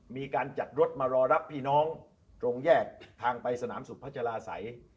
มีการจัดรถมารอรับพี่น้องตรงแยกทางไปสนามสุขพัชราศัย